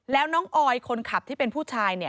แล้วน้องออยคนขับที่เป็นผู้ชายเนี่ย